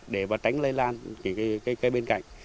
để tránh lây lan cây bên cạnh